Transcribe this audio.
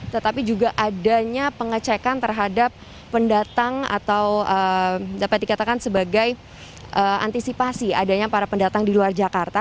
tetapi juga adanya pengecekan terhadap pendatang atau dapat dikatakan sebagai antisipasi adanya para pendatang di luar jakarta